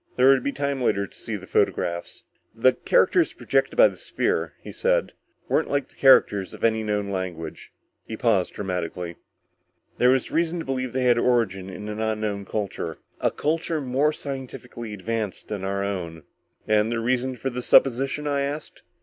There would be time later to see the photographs. "The characters projected by the sphere," he said, "weren't like the characters of any known language." He paused dramatically. "There was reason to believe they had origin in an unknown culture. A culture more scientifically advanced than our own." "And the reasons for this supposition?" I asked.